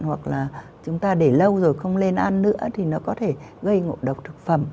hoặc là chúng ta để lâu rồi không lên ăn nữa thì nó có thể gây ngộ độc thực phẩm